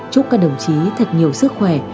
chúc các đồng chí thật nhiều sức khỏe